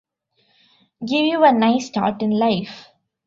Give you a nice start in life.